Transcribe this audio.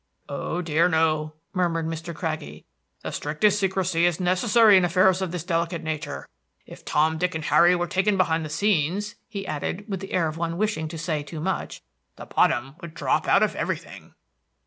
"Oh dear, no," murmured Mr. Craggie. "The strictest secrecy is necessary in affairs of this delicate nature. If Tom, Dick, and Harry were taken behind the scenes," he added, with the air of one wishing to say too much, "the bottom would drop out of everything."